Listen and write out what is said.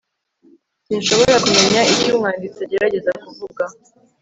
sinshobora kumenya icyo umwanditsi agerageza kuvuga